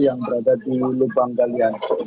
yang berada di lubang galian